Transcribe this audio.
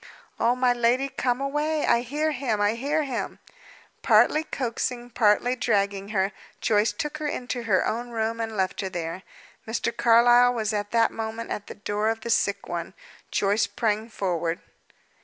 "Oh, my lady, come away! I hear him; I hear him!" Partly coaxing, partly dragging her, Joyce took her into her own room, and left her there. Mr. Carlyle was at that moment at the door of the sick one. Joyce sprang forward.